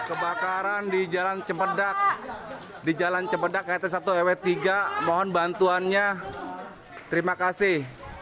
kebakaran di jalan cempedak di jalan cepedak rt satu rw tiga mohon bantuannya terima kasih